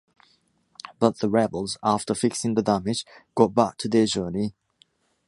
But the rebels, after fixing the damage, got back to their journey.